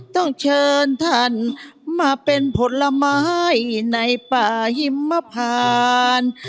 ต้องเชิญท่านมาเป็นผลไม้ในป่าหิมพาน